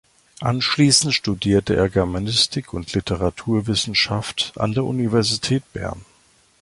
Anschliessend studierte er Germanistik und Literaturwissenschaft an der Universität Bern.